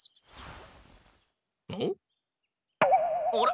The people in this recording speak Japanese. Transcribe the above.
あれ？